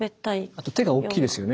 あと手が大きいですよね